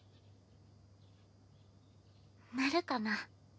なるかな？